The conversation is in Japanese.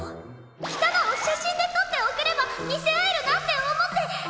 着たのを写真で撮って送れば見せ合えるなって思って！